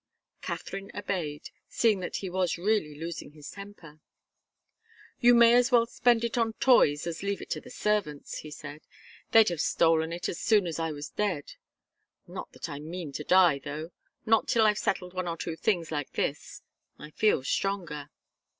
Katharine obeyed, seeing that he was really losing his temper. "You may as well spend it on toys as leave it to the servants," he said. "They'd have stolen it as soon as I was dead. Not that I mean to die, though. Not till I've settled one or two things like this. I feel stronger."